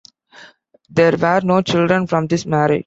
There were no children from this marriage.